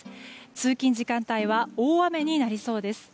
通勤時間帯は大雨になりそうです。